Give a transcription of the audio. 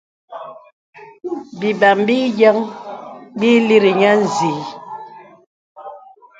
Bīmbām biyə̀n bì ï līri niə nzi.